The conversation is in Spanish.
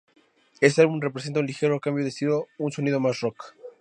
Este álbum representa un ligero cambio de estilo, un sonido más rock